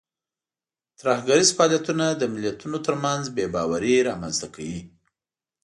ترهګریز فعالیتونه د ملتونو ترمنځ بې باوري رامنځته کوي.